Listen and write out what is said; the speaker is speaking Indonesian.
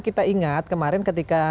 kita ingat kemarin ketika